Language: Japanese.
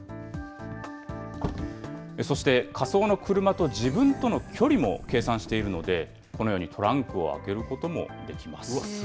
そして、仮想の車と自分との距離も計算しているので、このようにトランクを開けることもできます。